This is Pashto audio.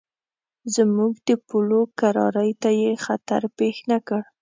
زموږ د پولو کرارۍ ته یې خطر پېښ نه کړ.